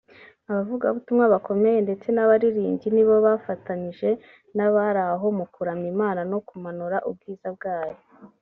Abavugabutumwa bakomeye ndetse n’abaririmbyi nibo bafatanyije n’abari aho mu kuramya Imana no kumanura ubwiza bwayo